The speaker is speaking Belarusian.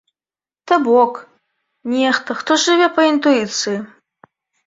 То бок, нехта, хто жыве па інтуіцыі.